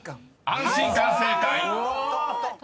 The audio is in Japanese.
［「安心感」正解！］